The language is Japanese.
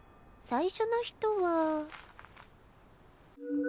最初の人は。